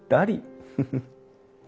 フフフッ。